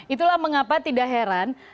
itulah mengapa tidak heran